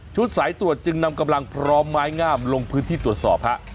สายตรวจจึงนำกำลังพร้อมไม้งามลงพื้นที่ตรวจสอบฮะ